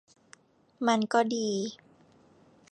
มันก็ดี